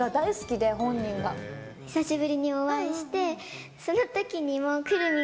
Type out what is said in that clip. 久しぶりにお会いして、そのときにもくるみん！